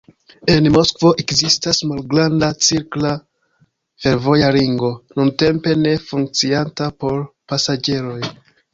En Moskvo ekzistas "malgranda" cirkla fervoja ringo, nuntempe ne funkcianta por pasaĝeroj.